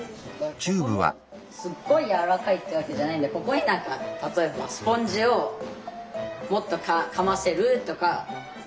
ここもすっごいやわらかいってわけじゃないんでここに何か例えばスポンジをもっとかませるとか。